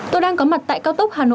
tôi đang có mặt tại cao tốc hà nội